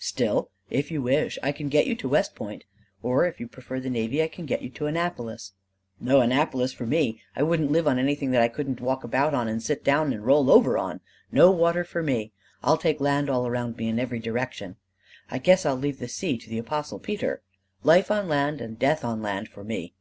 Still, if you wish, I can get you to West Point. Or, if you prefer the navy, I can get you to Annapolis." "No Annapolis for me! I wouldn't live on anything that I couldn't walk about on and sit down on and roll over on. No water for me. I'll take land all round me in every direction. I guess I'll leave the sea to the Apostle Peter. Life on land and death on land for me.